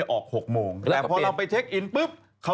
เยอะ